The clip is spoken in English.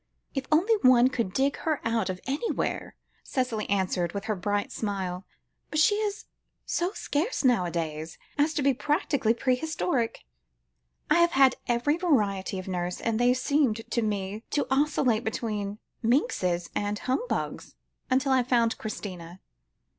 "If only one could dig her out of anywhere," Cicely answered with her bright smile; "but she is so scarce nowadays, as to be practically prehistoric. I have had every variety of nurse, and they seemed to me to oscillate between minxes and humbugs, until I found Christina."